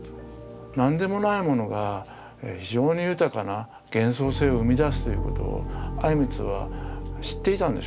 何でもないものが非常に豊かな幻想性を生み出すということを靉光は知っていたんでしょうね。